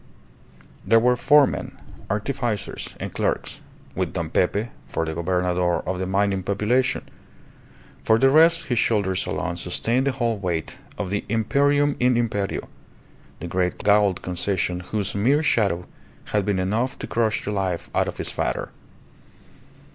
There were foremen, artificers and clerks, with Don Pepe for the gobernador of the mining population. For the rest his shoulders alone sustained the whole weight of the "Imperium in Imperio," the great Gould Concession whose mere shadow had been enough to crush the life out of his father.